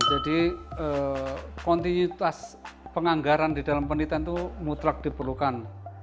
jadi kontinuitas penganggaran di dalam penelitian itu mutlak diperlukan